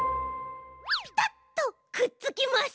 ピタッとくっつきます。